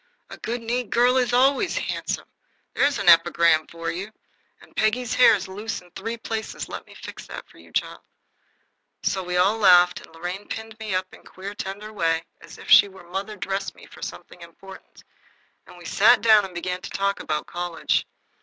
"A good neat girl is always handsome. There's an epigram for you. And Peggy's hair is loose in three places. Let me fix it for you, child." So we all laughed, and Lorraine pinned me up in a queer, tender way, as if she were mother dress me for something important, and we sat down, and began to talk about college.